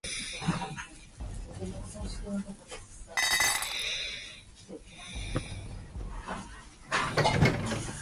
The paper was friendly to the French Revolution and opposed the Federalist Party.